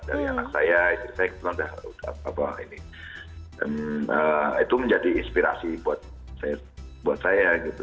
dari anak saya istri saya kebetulan itu menjadi inspirasi buat saya gitu